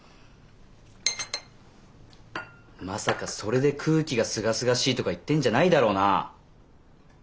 まさかそれで空気がすがすがしいとか言ってんじゃないだろうな。